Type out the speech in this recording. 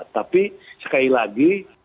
tapi sekali lagi